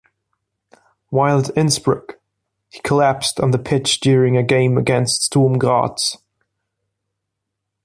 While at Innsbruck, he collapsed on the pitch during a game against Sturm Graz.